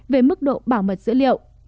về mức độ bảo mật dữ liệu